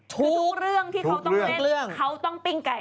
ทุกเรื่องที่เขาต้องเล่นเขาต้องปิ้งไก่